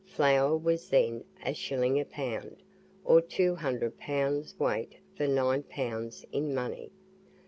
Flour was then a shilling a pound, or two hundred pounds weight for nine pounds in money.